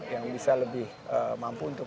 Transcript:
yang bisa lebih mampu untuk